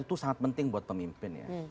itu sangat penting buat pemimpin ya